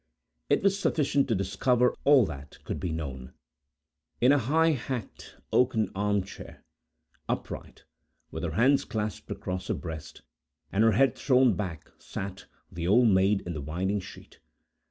It was sufficient to discover all that could be known. In a high backed oaken arm chair, upright, with her hands clasped across her breast, and her head thrown back, sat the "Old Maid in the Winding Sheet."